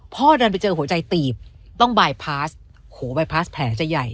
ดันไปเจอหัวใจตีบต้องบายพาสโหบายพลาสแผลจะใหญ่